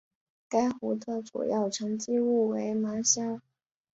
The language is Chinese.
该湖的主要沉积物为芒硝。